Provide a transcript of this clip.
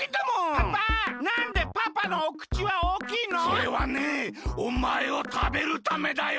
それはねおまえをたべるためだよ！